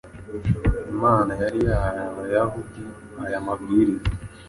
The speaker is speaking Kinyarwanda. Imana yari yarahaye Abayahudi aya mabwiriza